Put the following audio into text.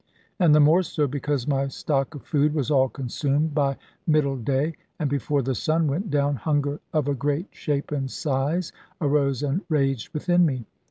And the more so, because my stock of food was all consumed by middle day; and before the sun went down, hunger of a great shape and size arose and raged within me.